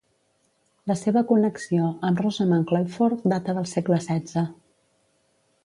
La seva connexió amb Rosamund Clifford data del segle XVI.